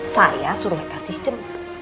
saya suruh esi jemput